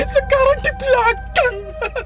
sekarang di belakang